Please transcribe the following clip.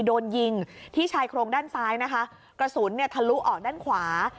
โดนยิงที่ชายโครงด้านซ้ายนะคะกระสุนเนี่ยทะลุออกด้านขวา